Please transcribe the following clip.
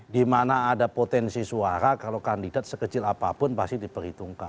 di mana ada potensi suara kalau kandidat sekecil apapun pasti diperhitungkan